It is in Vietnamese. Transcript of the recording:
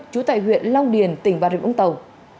chú tài huyện long điền tỉnh bà rịnh úng tàu